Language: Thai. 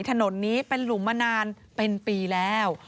ถนนนี้เป็นหลุมมานานเป็นปีแล้ว